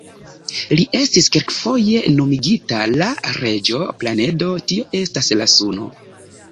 Li estis kelkfoje nomigita la "Reĝo-Planedo", tio estas la Suno.